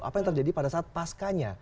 apa yang terjadi pada saat pascanya